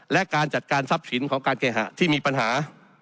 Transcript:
และการจัดการทรัพย์สินของการเคหะที่มีปัญหา